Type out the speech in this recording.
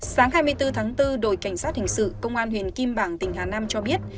sáng hai mươi bốn tháng bốn đội cảnh sát hình sự công an huyện kim bảng tỉnh hà nam cho biết